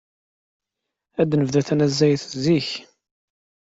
Ad nebdu tanezzayt zik.